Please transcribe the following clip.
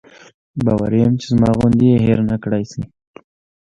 باوري یم چې زما غوندې یې هېر نکړای شي.